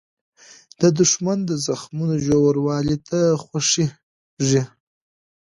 دښمن د زخمونو ژوروالۍ ته خوښیږي